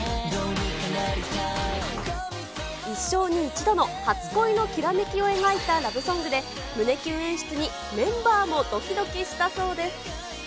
一生一度の初恋のきらめきを描いたラブソングで、胸キュン演出にメンバーもどきどきしたそうです。